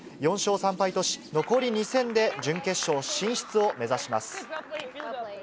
４勝３敗とし、残り２戦で準決勝進出を目指します。